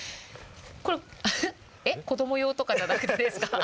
これ、えっ、子ども用とかじゃなくてですか？